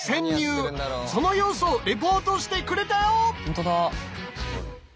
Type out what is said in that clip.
その様子をリポートしてくれたよ！